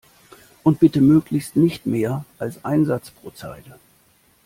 Und bitte möglichst nicht mehr als ein Satz pro Zeile!